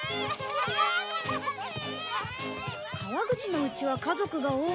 川口のうちは家族が多いし。